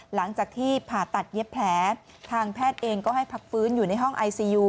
หลังจากที่ผ่าตัดเย็บแผลทางแพทย์เองก็ให้พักฟื้นอยู่ในห้องไอซียู